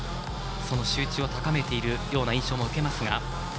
その集中を高めているような印象も受けますが。